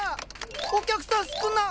お客さん少な！